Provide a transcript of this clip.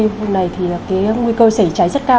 vùng này thì là cái nguy cơ xảy cháy rất cao